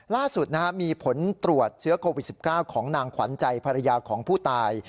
ล่าสุดมีผลตรวจเชื้อโควิด๑๙ของนางขวัญใจภรรยาของผู้ตาย